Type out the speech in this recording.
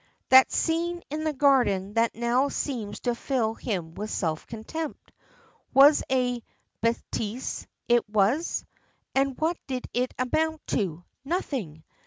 That scene in the garden that now seems to fill him with self contempt. What a bêtise it was! And what did it amount to? Nothing!